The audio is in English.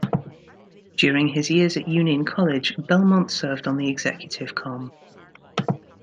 During his years at Union College, Belmonte served on the executive comm.